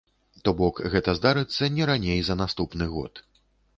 То бок, гэта здарыцца не раней за наступны год.